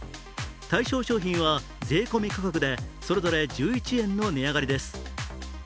対象商品は税込み価格で、それぞれ１１円の値上がりです。